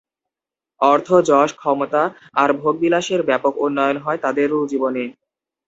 অর্থ, যশ, ক্ষমতা আর ভোগবিলাসের ব্যাপক উন্নয়ন হয় তাঁদেরও জীবনে।